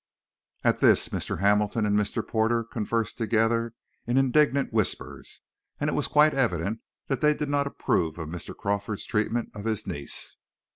At this Mr. Hamilton and Mr. Porter conversed together in indignant whispers, and it was quite evident that they did not approve of Mr. Crawford's treatment of his niece.